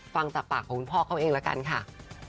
ฟังจากปากของคุณพ่อเขาเองละกันค่ะ